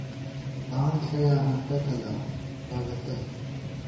بانگ ݪہ یا ہنڈہ تلا (بگَتَئ)